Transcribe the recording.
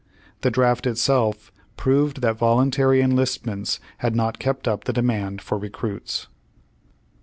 The draft itself proved that voluntary enlistments had not kept up the demand for recruits.